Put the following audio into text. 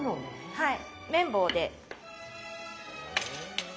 はい。